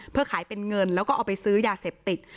เพื่อขายเป็นเงินแล้วก็เอาไปซื้อยาเสพติด